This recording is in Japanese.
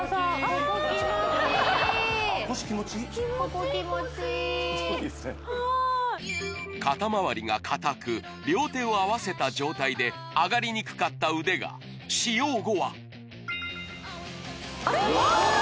ここ気持ちいい腰気持ちいい肩まわりが硬く両手を合わせた状態であがりにくかった腕が使用後は・おおっ